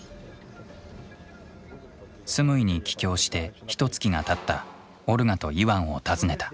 スムイに帰郷してひとつきがたったオルガとイワンを訪ねた。